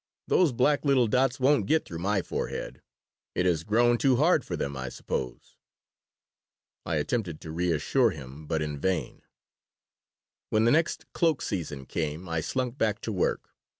Those black little dots won't get through my forehead. It has grown too hard for them, I suppose." I attempted to reassure him, but in vain When the next cloak season came I slunk back to work.